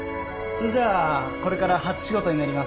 それじゃあこれから初仕事になります。